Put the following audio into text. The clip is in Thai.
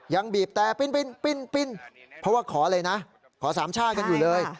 ยังบีบแต่ปิ้นเพราะว่าขออะไรนะขอสามชาติกันอยู่เลย